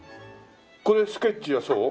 これスケッチはそう？